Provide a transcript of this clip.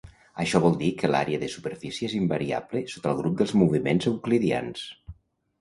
Això vol dir que l'àrea de superfície és invariable sota el grup dels moviments euclidians.